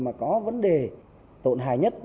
mà có vấn đề tộn hại nhất